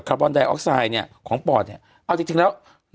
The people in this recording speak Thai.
คือคือคือคือคือคือ